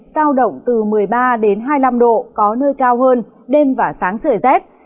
sao động từ một mươi ba đến hai mươi năm độ có nơi cao hơn đêm và sáng trời rét